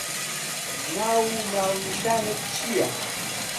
ناو و ناونیشانت چییە؟